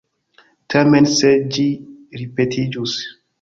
Tamen se ĝi ripetiĝus.